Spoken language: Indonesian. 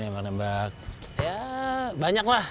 ya banyak lah